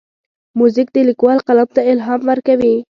موزیک د لیکوال قلم ته الهام ورکوي.